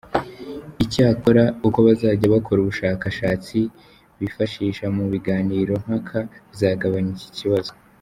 Icyakora uko bazajya bakora ubushakashatsi bifashisha mu biganirompaka bizagabanya iki kibazo.